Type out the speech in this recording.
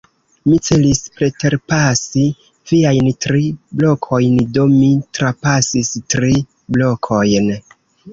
Mi celis preterpasi viajn tri blokojn; do, mi trapasis tri blokojn.